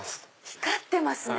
光ってますね。